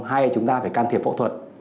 hay chúng ta phải can thiệp phẫu thuật